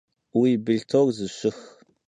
Vui belhtor zışıx.